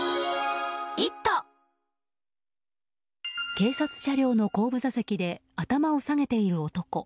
警察車両の後部座席で頭を下げている男。